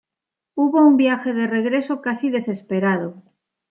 Hubo un viaje de regreso casi desesperado.